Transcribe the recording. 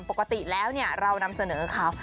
ปกติแล้วเรานำเสนอข่าว